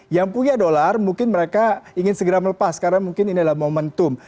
yang punya dolar mungkin mereka ingin segera melepas karena mungkin ini adalah momentum